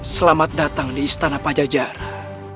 selamat datang di istana pajajaran